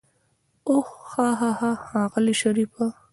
اوح هاهاها ښاغلی شريفه.